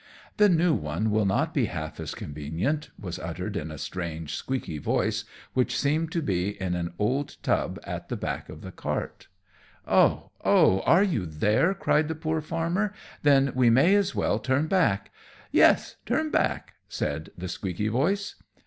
"The new one will not be half as convenient," was uttered in a strange, squeaky voice, which seemed to be in an old tub at the back of the cart. "Oh! oh! are you there?" cried the poor Farmer, "then we may as well turn back." "Yes! turn back," said the squeaky voice.